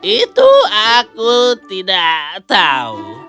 itu aku tidak tahu